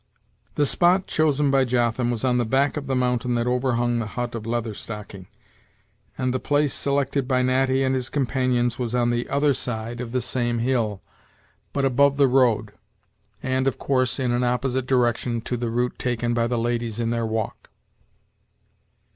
The spot chosen by Jotham was on the back of the mountain that overhung the hut of Leather Stocking, and the place selected by Natty and his companions was on the other side of the same hill, but above the road, and, of course, in an opposite direction to the route taken by the ladies in their walk.